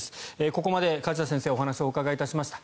ここまで梶田先生にお話をお伺いしました。